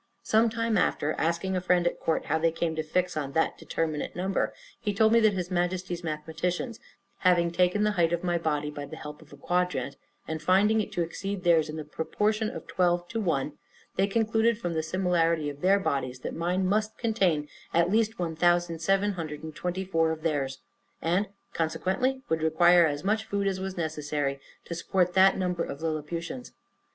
Some time after, asking a friend at court how they came to fix on that determinate number; he told me that his Majesty's mathematicians, having taken the height of my body by the help of a quadrant, and finding it to exceed theirs in the proportion of twelve to one, they concluded, from the similarity of their bodies, that mine must contain, at least, 1724 of theirs, and, consequently, would require as much food as was necessary to support that number of Lilliputians.